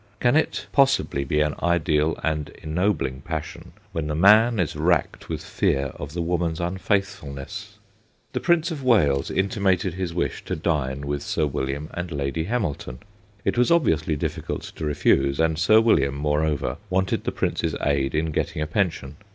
Can it possibly be an ideal and ennobling passion when the man is racked with fear of the woman's unfaithfulness ? The Prince of Wales intimated his wish 188 THE GHOSTS OF PICCADILLY to dine with Sir William and Lady Hamilton. It was obviously difficult to refuse, and Sir William, moreover, wanted the Prince's aid in getting a pension.